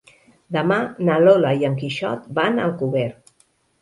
Demà na Lola i en Quixot van a Alcover.